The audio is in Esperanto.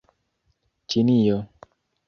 Ĉinio